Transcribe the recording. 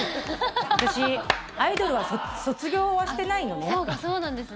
私、アイドルは卒業はしてないのね。